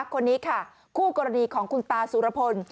คนนี้ค่ะคู่กรณีของคุณตาสุรพล